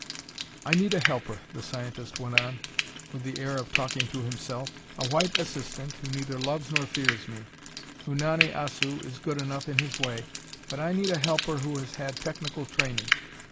"I need a helper," the scientist went on, with the air of talking to himself. "A white assistant who neither loves nor fears me. Unani Assu is good enough in his way, but I need a helper who has had technical training."